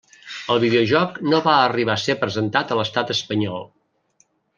El videojoc no va arribar a ser presentat a l'Estat Espanyol.